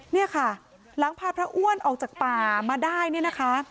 เนี่ยค่ะหลังพาพระอ้วนออกจากป่ามาได้เนี่ยนะคะ